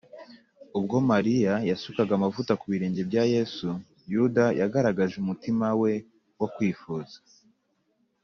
ubwo mariya yasukaga amavuta ku birenge bya yesu, yuda yagaragaje umutima we wo kwifuza